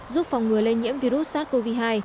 giúp phòng ngừa lây nhiễm virus sars cov hai